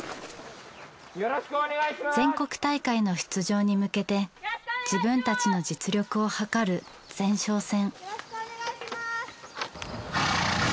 全国大会の出場に向けて自分たちの実力をはかる前哨戦。